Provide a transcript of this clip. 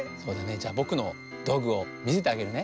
じゃぼくのどうぐをみせてあげるね。